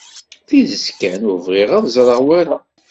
Tidet kan, ur bɣiɣ ad ẓreɣ wara.